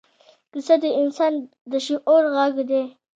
کیسه د انسان د شعور غږ دی.